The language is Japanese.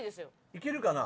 いけるかな？